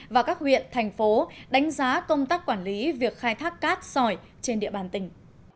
và các huyện thành phố đánh giá công tác quản lý việc khai thác cát sỏi trên địa bàn tỉnh